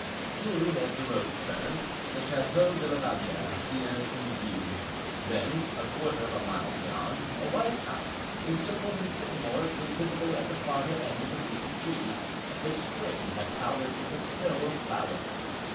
Soon, as the road turned, the Chateau de la Valliere appeared in view; then, a quarter of a mile beyond, a white house, encircled in sycamores, was visible at the farther end of a group of trees, which spring had powdered with a snow of flowers.